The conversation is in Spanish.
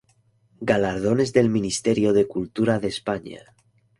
Galardones del Ministerio de Cultura de España